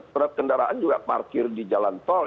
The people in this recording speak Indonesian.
berat kendaraan juga parkir di jalan tol